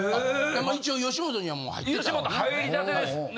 あ一応吉本にはもう入ってたんやね。